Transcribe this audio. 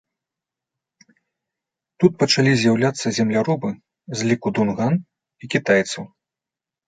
Тут пачалі з'яўляцца земляробы з ліку дунган і кітайцаў.